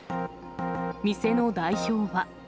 店の代表は。